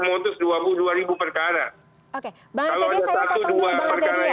kalau ada satu dua perkara yang tidak ketua harapan bukan saya katakan bermasalah ya